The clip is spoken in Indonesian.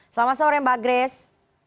selamat sore mbak grace